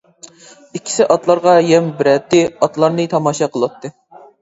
ئىككىسى ئاتلارغا يەم بېرەتتى ئاتلارنى تاماشا قىلاتتى.